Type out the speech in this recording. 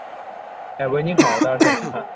胶河经济区管委驻地六汪镇柏乡三村。